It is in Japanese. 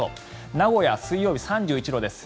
名古屋、水曜日は３１度です。